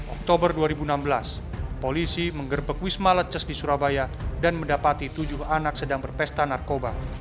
oktober dua ribu enam belas polisi menggerbek wisma leces di surabaya dan mendapati tujuh anak sedang berpesta narkoba